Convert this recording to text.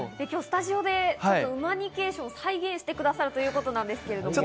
今日、スタジオでちょっと馬ニケーションを再現してくださるということなんですけど。